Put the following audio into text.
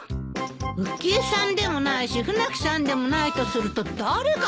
浮江さんでもないし船木さんでもないとすると誰かしら？